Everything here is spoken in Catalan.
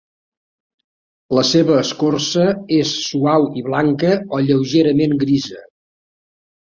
La seva escorça és suau i blanca o lleugerament grisa.